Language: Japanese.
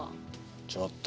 ちょっと。